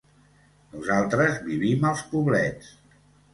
Nosaltres vivim als Poblets.